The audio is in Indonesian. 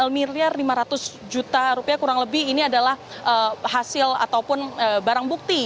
dua miliar lima ratus juta rupiah kurang lebih ini adalah hasil ataupun barang bukti